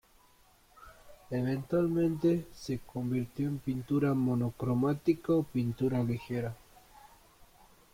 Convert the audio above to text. Eventualmente se convirtió en pintura monocromática o pintura ligera.